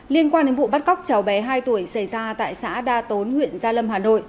liên quan đến vụ bắt cóc cháu bé hai tuổi xảy ra tại xã đa tốn huyện gia lâm hà nội